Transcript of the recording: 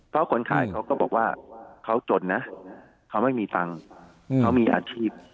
เพราะคนขายเขาก็บอกว่าเขาจนนะเขาไม่มีตังค์เขามีอาชีพ